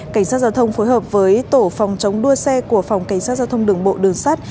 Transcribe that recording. cảnh sát giao thông phối hợp với tổ phòng chống đua xe của phòng cảnh sát giao thông đường bộ đường sắt